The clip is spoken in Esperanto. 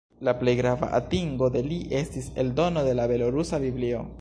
La plej grava atingo de li estis eldono de la belorusa Biblio.